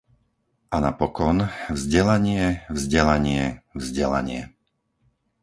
A napokon, vzdelanie, vzdelanie, vzdelanie.